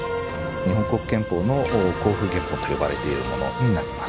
日本国憲法の公布原本と呼ばれているものになります。